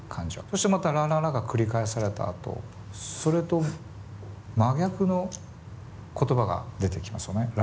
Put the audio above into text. そしてまた「ｌａｌａｌａ」が繰り返されたあとそれと真逆の言葉が出てきますよね。